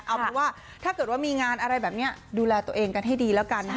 เอาเป็นว่าถ้าเกิดว่ามีงานอะไรแบบนี้ดูแลตัวเองกันให้ดีแล้วกันนะฮะ